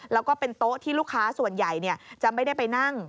แล้วก็เป็นโต๊ะที่ลูกค้าส่วนใหญ่จะไม่ได้ไปนั่ง